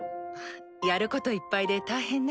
やることいっぱいで大変ね。